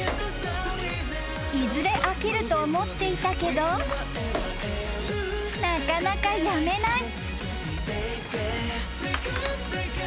［いずれ飽きると思っていたけどなかなかやめない］